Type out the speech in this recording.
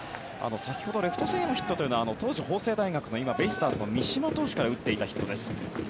先ほどレフト線へのヒットというのはかつて法政大学の今、ベイスターズの三嶋投手から打っていたヒットです。